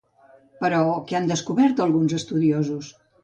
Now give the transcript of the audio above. Però què han descobert alguns estudiosos?